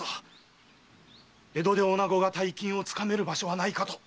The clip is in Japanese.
江戸でおなごが大金を掴める場所はないかと！